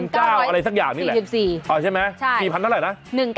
อ๋อใช่ไหมปีพันอะไรนะ